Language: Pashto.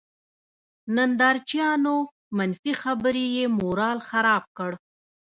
نندارچيانو، منفي خبرې یې مورال خراب کړ.